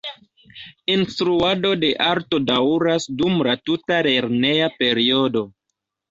Instruado de arto daŭras dum la tuta lerneja periodo.